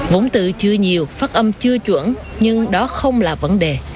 vũng tự chưa nhiều phát âm chưa chuẩn nhưng đó không là vấn đề